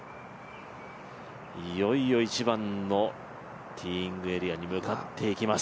いよいよ１番のティーイングエリアに向かっていきます。